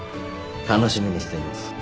楽しみにしています。